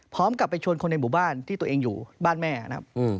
กลับไปชวนคนในหมู่บ้านที่ตัวเองอยู่บ้านแม่นะครับ